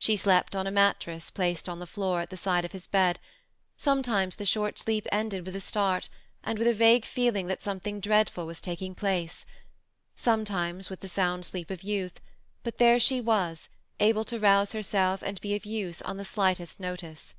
She slept on a mattress placed on the floor at the side of his bed ; sometimes the short sleep ended with a start, and with a vague feeling that something dreadful was taking place ; some times with the sound sleep of youth ; but there she was, able to rouse herself and be of use on the slightest notice.